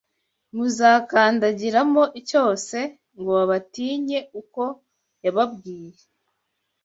muzakandagiramo cyose, ngo babatinye, uko yababwiye.